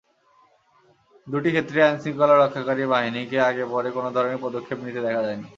দুটি ক্ষেত্রেই আইনশৃঙ্খলা রক্ষাকারী বাহিনীকে আগে-পরে কোনো ধরনের পদক্ষেপ নিতে দেখা যায়নি।